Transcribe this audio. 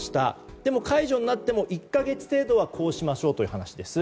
でも解除になっても１か月程度はこうしましょうという話です。